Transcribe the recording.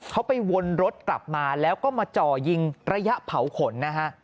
เขาไปวนรถกลับมาแล้วก็มาจ่อยิงระยะเผาขนนะฮะ